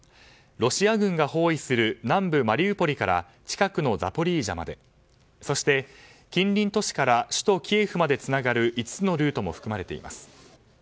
ロシア軍が包囲する南部マリウポリから近くのザポリージャまでそして近隣都市から首都キエフまでつながる５つのルートも含まれています。